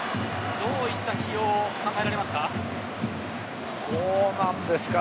どういった起用が考えられますか。